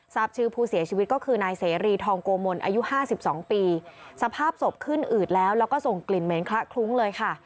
ทราบชื่อผู้เสียชีวิตก็คือนายเสรีทองโกมลอายุห้าสิบสองปีสภาพศพขึ้นอืดแล้วแล้วก็ส่งกลิ่นเหม็นคละคลุ้งเลยค่ะ